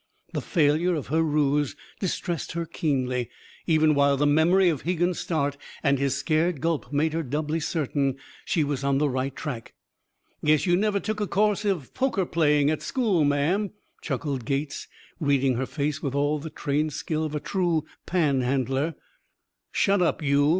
The failure of her ruse distressed her keenly, even while the memory of Hegan's start and his scared gulp made her doubly certain she was on the right track. "Guess you never took a course of poker playing, at school, ma'am," chuckled Gates, reading her face with all the trained skill of a true panhandler. "Shut up, you!"